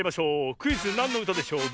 クイズ「なんのうたでしょう」